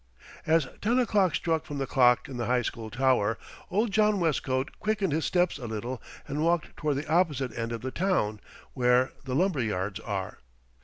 As ten o'clock struck from the clock in the High School tower, old John Westcote quickened his steps a little and walked toward the opposite end of the town, where the lumber yards are.